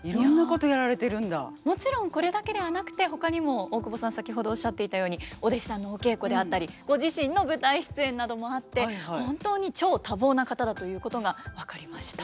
もちろんこれだけではなくてほかにも大久保さん先ほどおっしゃっていたようにお弟子さんのお稽古であったりご自身の舞台出演などもあって本当に超多忙な方だということが分かりました。